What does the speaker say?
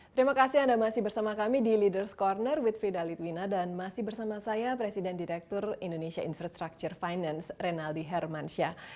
terima kasih anda masih bersama kami di ⁇ leaders ⁇ corner with frida litwina dan masih bersama saya presiden direktur indonesia infrastructure finance renaldi hermansyah